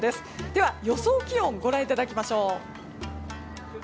では、予想気温ご覧いただきましょう。